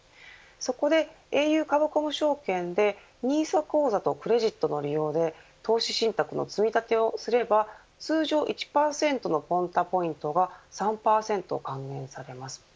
そこで、ａｕカブコム証券でＮＩＳＡ口座とクレジットの利用で投資信託の積み立てをすれば通常１％のＰｏｎｔａポイントが３％還元されます。